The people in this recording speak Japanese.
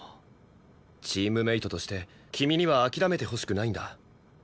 チームメイトとして君には諦めてほしくないんだ。